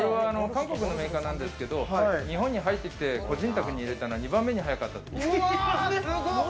韓国のメーカーなんですけど、日本に入ってきて個人宅に入れたのは二番目に早かったです。